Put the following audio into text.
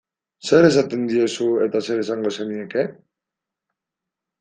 Zer esaten diezu eta zer esango zenieke?